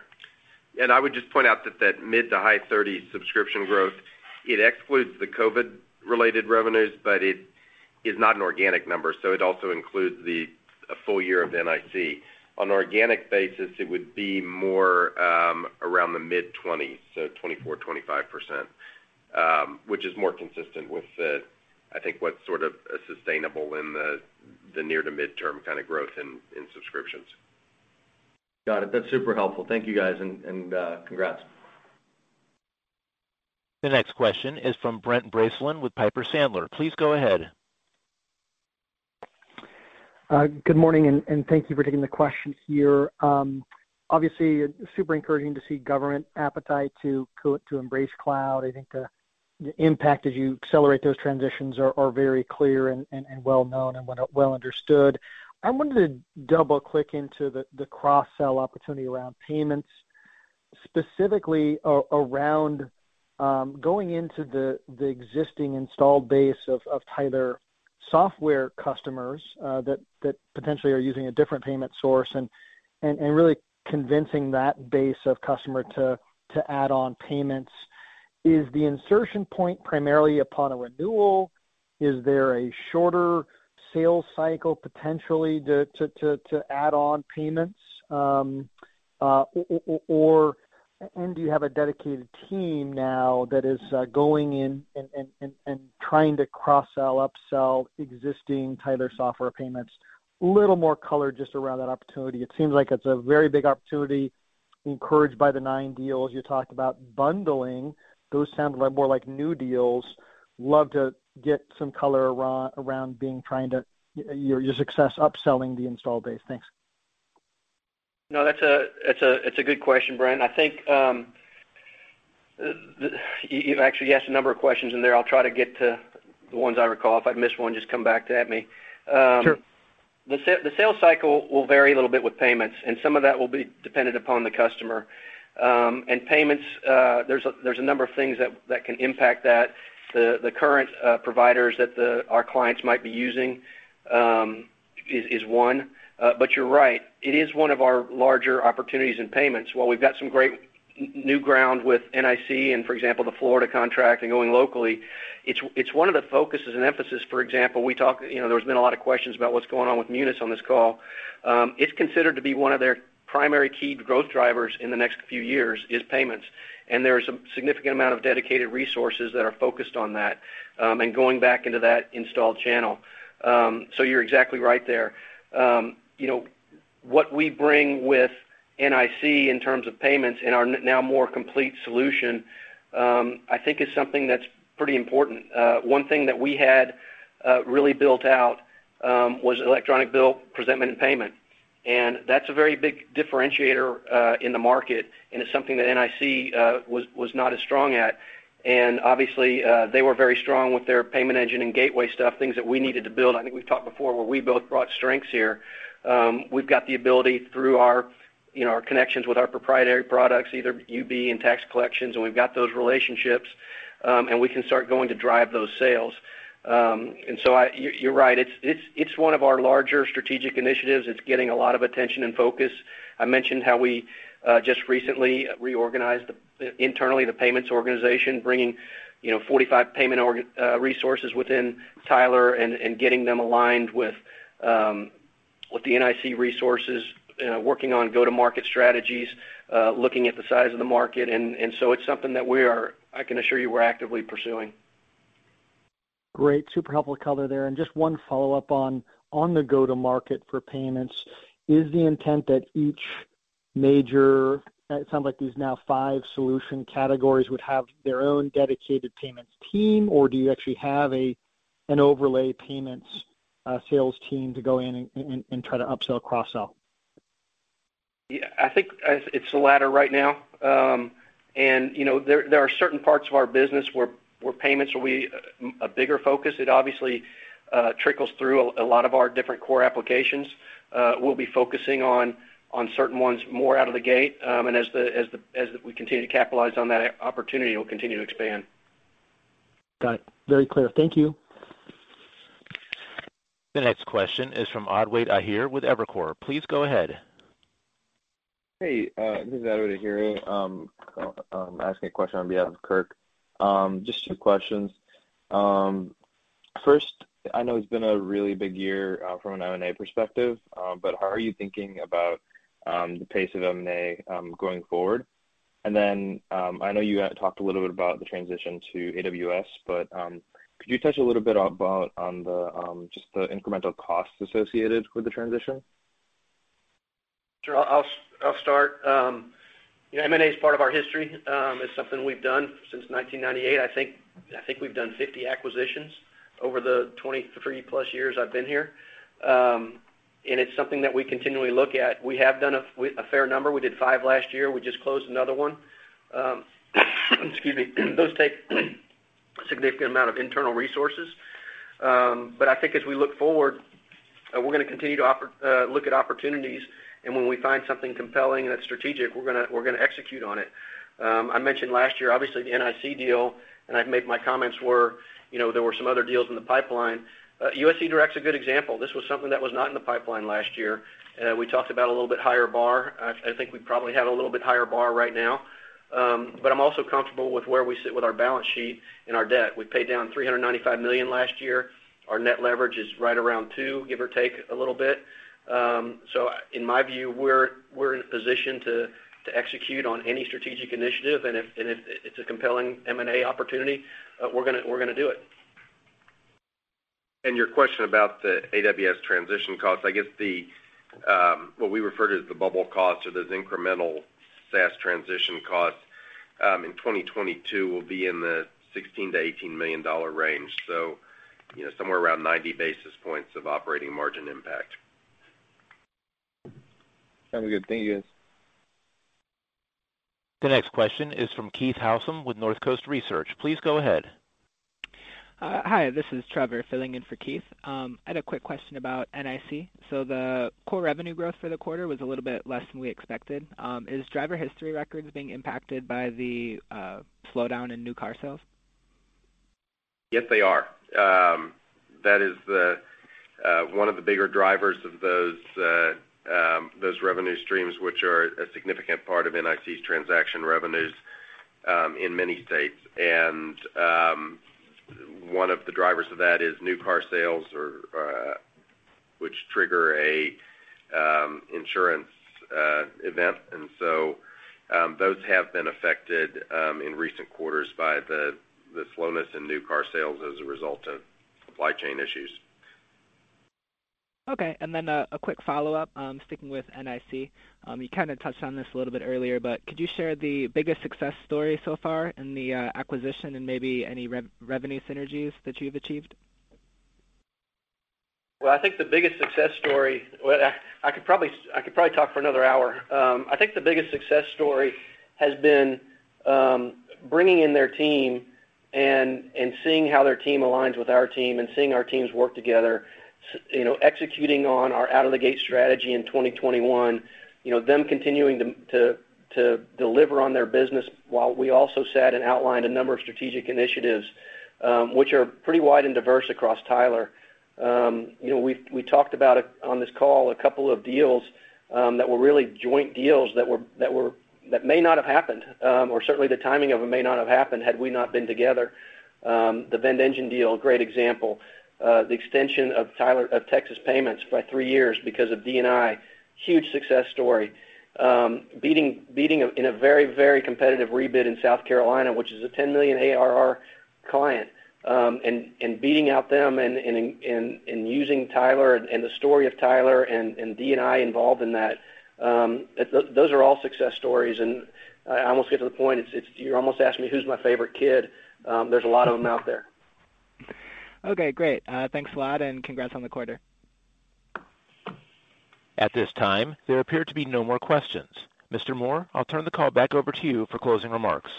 I would just point out that mid- to high-30s subscription growth excludes the COVID-related revenues, but it is not an organic number, so it also includes a full year of NIC. On an organic basis, it would be more around the mid-20s, so 24, 25%, which is more consistent with what I think is sort of sustainable in the near- to midterm kind of growth in subscriptions. Got it. That's super helpful. Thank you, guys. Congrats. The next question is from Brent Bracelin with Piper Sandler. Please go ahead. Good morning, and thank you for taking the question here. Obviously, super encouraging to see government appetite to embrace cloud. I think the impact as you accelerate those transitions are very clear and well-known and well understood. I wanted to double-click into the cross-sell opportunity around payments, specifically around going into the existing installed base of Tyler software customers that potentially are using a different payment source and really convincing that base of customer to add on payments. Is the insertion point primarily upon a renewal? Is there a shorter sales cycle potentially to add on payments? Or do you have a dedicated team now that is going in and trying to cross-sell, upsell existing Tyler software payments? A little more color just around that opportunity. It seems like it's a very big opportunity encouraged by the nine deals. You talked about bundling. Those sound a lot more like new deals. Love to get some color around your success upselling the installed base. Thanks. No, that's a good question, Brent. I think you've actually asked a number of questions in there. I'll try to get to the ones I recall. If I'd missed one, just come back at me. Sure. The sales cycle will vary a little bit with payments, and some of that will be dependent upon the customer. And payments, there's a number of things that can impact that. The current providers that our clients might be using is one. You're right. It is one of our larger opportunities in payments. While we've got some great new ground with NIC and, for example, the Florida contract and going locally, it's one of the focuses and emphasis, for example, we talk. You know, there's been a lot of questions about what's going on with Munis on this call. It's considered to be one of their primary key growth drivers in the next few years is payments, and there is a significant amount of dedicated resources that are focused on that, and going back into that installed channel. You're exactly right there. You know, what we bring with NIC in terms of payments in our now more complete solution, I think is something that's pretty important. One thing that we had really built out was electronic bill presentment and payment. That's a very big differentiator in the market, and it's something that NIC was not as strong at. Obviously, they were very strong with their payment engine and gateway stuff, things that we needed to build. I think we've talked before where we both brought strengths here. We've got the ability through our, you know, our connections with our proprietary products, either UB and tax collections, and we've got those relationships, and we can start going to drive those sales. You're right. It's one of our larger strategic initiatives. It's getting a lot of attention and focus. I mentioned how we just recently reorganized internally the payments organization, bringing you know 45 payment org resources within Tyler and getting them aligned with the NIC resources, working on go-to-market strategies, looking at the size of the market. It's something that we are, I can assure you we're actively pursuing. Great. Super helpful color there. Just one follow-up on the go-to-market for payments. Is the intent that each major, it sounds like these now five solution categories would have their own dedicated payments team, or do you actually have an overlay payments sales team to go in and try to upsell, cross-sell? Yeah. I think it's the latter right now. You know, there are certain parts of our business where payments will be a bigger focus. It obviously trickles through a lot of our different core applications. We'll be focusing on certain ones more out of the gate. As we continue to capitalize on that opportunity, we'll continue to expand. Got it. Very clear. Thank you. The next question is from Adwait Aher with Evercore. Please go ahead. Hey, this is Adwait Ahire. I'm asking a question on behalf of Kirk. Just two questions. First, I know it's been a really big year from an M&A perspective, but how are you thinking about the pace of M&A going forward? I know you had talked a little bit about the transition to AWS, but could you touch a little bit about on the just the incremental costs associated with the transition? Sure. I'll start. M&A is part of our history. It's something we've done since 1998. I think we've done 50 acquisitions over the 23-plus years I've been here. It's something that we continually look at. We have done a fair number. We did five last year. We just closed another one. Excuse me. Those take a significant amount of internal resources. I think as we look forward, we're gonna continue to look at opportunities, and when we find something compelling and strategic, we're gonna execute on it. I mentioned last year, obviously, the NIC deal, and I've made my comments where, you know, there were some other deals in the pipeline. US eDirect is a good example. This was something that was not in the pipeline last year. We talked about a little bit higher bar. I think we probably have a little bit higher bar right now, but I'm also comfortable with where we sit with our balance sheet and our debt. We paid down $395 million last year. Our net leverage is right around two, give or take a little bit. In my view, we're in a position to execute on any strategic initiative. If it's a compelling M&A opportunity, we're gonna do it. Your question about the AWS transition costs, I guess what we refer to as the bubble costs or those incremental SaaS transition costs in 2022 will be in the $16 million-$18 million range. You know, somewhere around 90 basis points of operating margin impact. Sounds good. Thank you, guys. The next question is from Keith Housum with Northcoast Research. Please go ahead. Hi, this is Trevor filling in for Keith. I had a quick question about NIC. The core revenue growth for the quarter was a little bit less than we expected. Is driver history records being impacted by the slowdown in new car sales? Yes, they are. That is one of the bigger drivers of those revenue streams, which are a significant part of NIC's transaction revenues in many states. One of the drivers of that is new car sales, which trigger an insurance event. Those have been affected in recent quarters by the slowness in new car sales as a result of supply chain issues. Okay. A quick follow-up, sticking with NIC. You kinda touched on this a little bit earlier, but could you share the biggest success story so far in the acquisition and maybe any revenue synergies that you've achieved? I could probably talk for another hour. I think the biggest success story has been bringing in their team and seeing how their team aligns with our team and seeing our teams work together, you know, executing on our out-of-the-gate strategy in 2021, you know, them continuing to deliver on their business while we also sat and outlined a number of strategic initiatives, which are pretty wide and diverse across Tyler. You know, we talked about it on this call, a couple of deals that were really joint deals that may not have happened or certainly the timing of it may not have happened had we not been together. The VendEngine deal, great example. The extension of Tyler of Texas Payments by three years because of D&I, huge success story. Beating in a very competitive rebid in South Carolina, which is a $10 million ARR client, and beating out them and using Tyler and the story of Tyler and D&I involved in that. Those are all success stories. I almost get to the point, it's like you're almost asking me who's my favorite kid. There's a lot of them out there. Okay, great. Thanks a lot, and congrats on the quarter. At this time, there appear to be no more questions. Mr. Moore, I'll turn the call back over to you for closing remarks.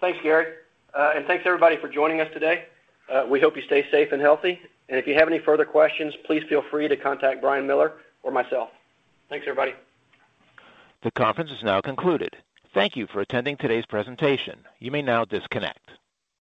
Thanks, Gary. Thanks, everybody, for joining us today. We hope you stay safe and healthy. If you have any further questions, please feel free to contact Brian Miller or myself. Thanks, everybody. The conference is now concluded. Thank you for attending today's presentation. You may now disconnect.